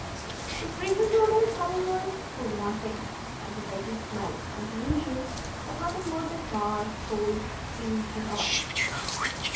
The fragrant odours, however, were wanting, and the vessel smelt, as usual, of nothing more than tar, coals, steam, and oil.